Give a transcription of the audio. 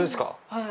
はい。